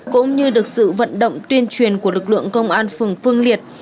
cũng như được sự vận động tuyên truyền của lực lượng công an phường phương liệt